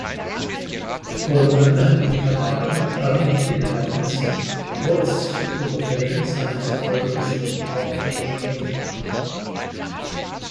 Von anderen Literaten erntete Hermes, trotz oder wegen seines Erfolgs, auch viel Spott.